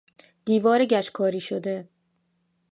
دیوار گچ کاری شده